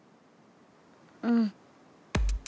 うん。